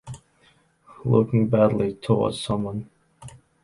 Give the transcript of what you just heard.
Looking badly towards someone.